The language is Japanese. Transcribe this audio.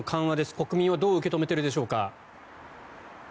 国民はどう受け止めているでしょうか。